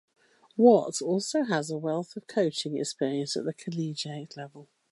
Watt also has a wealth of coaching experience at the collegiate level.